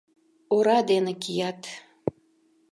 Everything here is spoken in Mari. Ора дене кият.